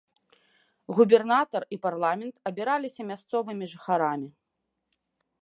Губернатар і парламент абіраліся мясцовымі жыхарамі.